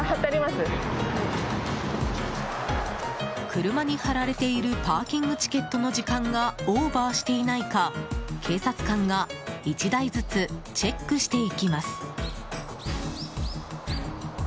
車に貼られているパーキングチケットの時間がオーバーしていないか警察官が１台ずつチェックしていきます。